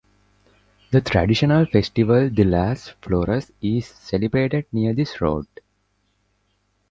The traditional "Festival de las Flores" is celebrated near this road.